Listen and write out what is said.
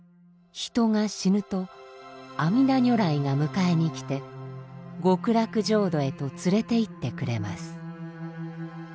人が死ぬと阿弥陀如来が迎えに来て極楽浄土へと連れていってくれます。